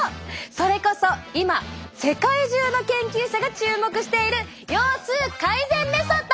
それこそ今世界中の研究者が注目している腰痛改善メソッド